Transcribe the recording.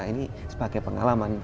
ini sebagai pengalaman